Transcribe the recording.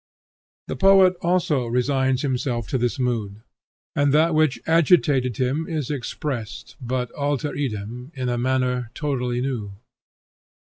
The poet also resigns himself to his mood, and that thought which agitated him is expressed, but alter idem, in a manner totally new.